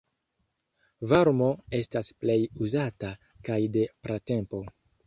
Varmo estas plej uzata, kaj de pratempo.